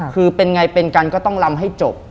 คือเป็นไงเป็นกันก็ต้องลำให้จบ